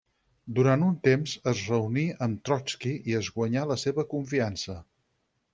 Durant un temps, es reuní amb Trotski i es guanyà la seva confiança.